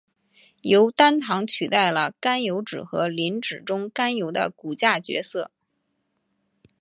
由单糖取代了甘油酯和磷脂中甘油的骨架角色。